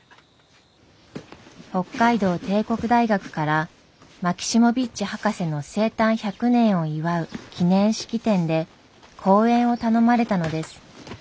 北海道帝国大学からマキシモヴィッチ博士の生誕１００年を祝う記念式典で講演を頼まれたのです。